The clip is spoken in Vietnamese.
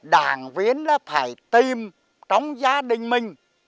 đảng viên là phải tìm trong gia đình mình